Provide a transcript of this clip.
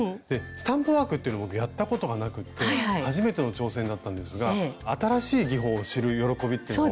スタンプワークっていうの僕やったことがなくて初めての挑戦だったんですが新しい技法を知る喜びっていうのを。